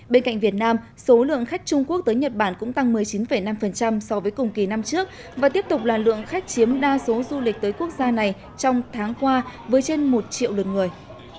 bên cạnh việt nam số lượng khách trung quốc tới nhật bản cũng tăng một mươi chín năm so với cùng kỳ năm trước và tiếp tục là lượng khách chiếm đa số du lịch tới quốc gia này trong tháng qua với trên một triệu lượt người